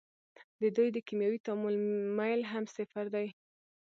د دوی د کیمیاوي تعامل میل هم صفر دی.